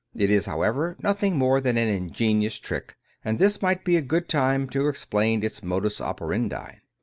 It is, however, nothing more than an ingenious trick, and this might be a good time to explain its modits operandi.